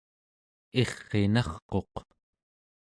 irr'inarquq